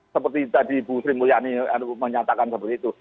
seperti tadi bu sri mulyani menyatakan seperti itu